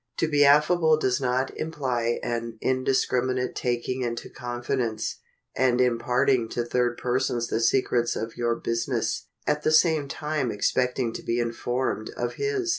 To be affable does not imply an indiscriminate taking into confidence, and imparting to third persons the secrets of your business, at the same time expecting to be informed of his.